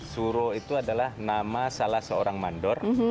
suro itu adalah nama salah seorang mandor